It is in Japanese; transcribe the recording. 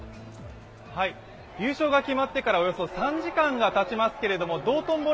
優勝が決まってからおよそ３時間がたちますけれども、道頓堀